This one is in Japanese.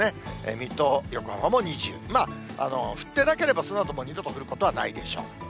水戸、横浜も２０、そのあとは二度と降ることはないでしょう。